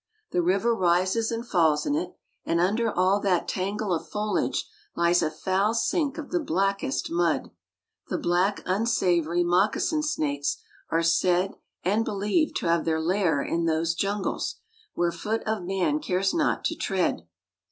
The river rises and falls in it; and under all that tangle of foliage lies a foul sink of the blackest mud. The black, unsavory moccasin snakes are said and believed to have their lair in those jungles, where foot of man cares not to tread.